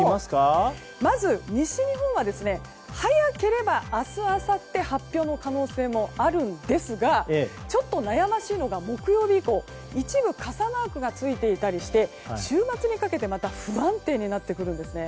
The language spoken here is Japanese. まず、西日本は早ければ明日あさっての発表の可能性もあるんですがちょっと悩ましいのが木曜日以降一部傘マークがついていたりして週末にかけてまた不安定になってくるんですね。